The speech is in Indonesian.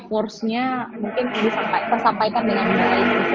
force nya mungkin disampaikan dengan baik gitu